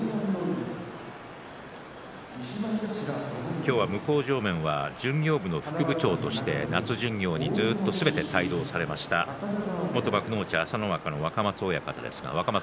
今日は向正面は巡業部の副部長として夏巡業にすべて帯同されました元幕内朝乃若の若松親方です。